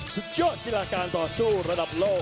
สุดยอดกีฬาการต่อสู้ระดับโลก